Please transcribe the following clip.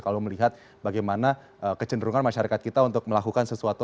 kalau melihat bagaimana kecenderungan masyarakat kita untuk melakukan sesuatu